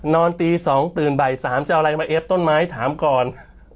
นอนตี๒ตื่นบ่าย๓จะเอาอะไรมาเอฟต้นไม้ถามก่อน